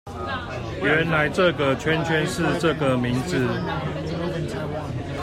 原來這個圈圈是這個名字